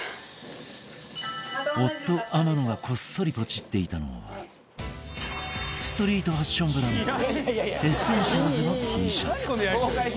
夫天野がこっそりポチっていたのはストリートファッションブランドの ＥＳＳＥＮＴＩＡＬＳ の Ｔ シャツ